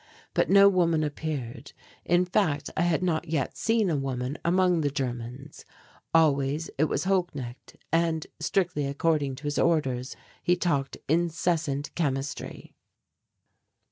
But no woman appeared, in fact I had not yet seen a woman among the Germans. Always it was Holknecht and, strictly according to his orders, he talked incessant chemistry.